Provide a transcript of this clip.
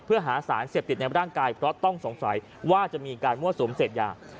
เพื่อหาสารเสพติดในร่างกายเพราะต้องสงสัยว่าจะมีการมั่วสุมเสพยา